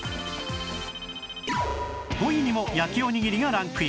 ５位にも焼おにぎりがランクイン